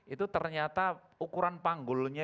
itu ternyata ukuran panggulnya